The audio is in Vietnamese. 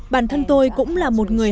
bản thân tôi cũng là một người